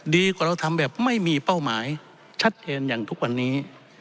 ดีกว่าเราทำแบบไม่มีเป้าหมายชัดเจนอย่างทุกวันนี้